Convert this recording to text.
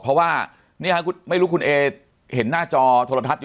เพราะว่านี่ค่ะไม่รู้กับคุณเอเกรดเห็นหน้าจอทรทัศน์